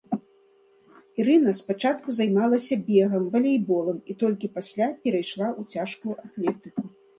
Ірына спачатку займалася бегам, валейболам і толькі пасля перайшла ў цяжкую атлетыку.